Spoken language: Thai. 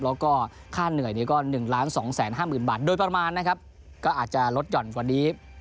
แล้วก็ค่าเหนื่อยก็๑๒๕๐๐๐บาทโดยประมาณนะครับก็อาจจะลดหย่อนกว่านี้